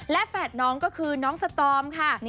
และแฝดน้องก็คือน้องสตอมค่ะ